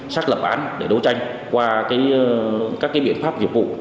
xác lập án để đấu tranh qua các biện pháp nghiệp vụ